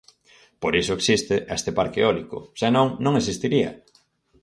Por iso existe este parque eólico; se non, non existiría.